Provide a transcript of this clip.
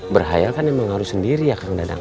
berhayal kan emang harus sendiri ya kang dadang